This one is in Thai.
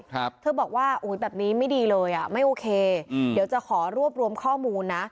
เธอบอกว่าแบบนี้ไม่ดีเลยไม่โอเคเดี๋ยวจะขอรวบรวมข้อมูลนะ